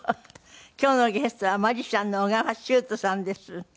今日のゲストはマジシャンの緒川集人さんです。